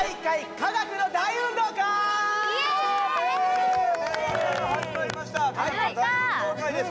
科学の大運動会です。